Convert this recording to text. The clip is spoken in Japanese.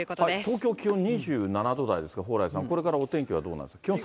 東京気温２７度台ですが、蓬莱さん、これからお天気はどうなる？